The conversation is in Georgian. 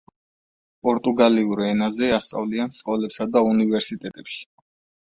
პორტუგალიურ ენაზე ასწავლიან სკოლებსა და უნივერსიტეტებში.